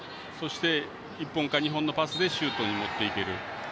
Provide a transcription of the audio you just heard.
そして、１本か２本のパスでシュートに持っていける。